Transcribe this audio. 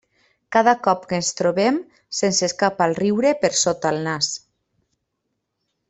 Cada cop que ens trobem, se'ns escapa el riure per sota el nas.